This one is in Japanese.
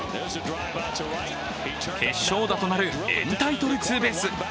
決勝打となるエンタイトルツーベース。